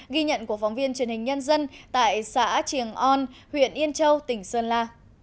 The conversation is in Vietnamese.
ghi nhận của phóng viên truyền hình nhân dân tại xã triềng on huyện yên châu tỉnh sơn la